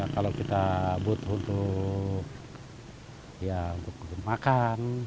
kalau kita butuh untuk makan